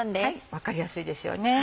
分かりやすいですよね。